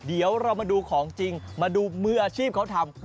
เดี๋ยวเรามาดูของจริงมาดูมืออาชีพเขาทำ